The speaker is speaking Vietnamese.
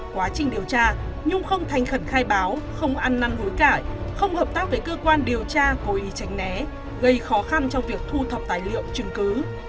quá trình điều tra nhung không thành khẩn khai báo không ăn năn hối cải không hợp tác với cơ quan điều tra cố ý tránh né gây khó khăn trong việc thu thập tài liệu chứng cứ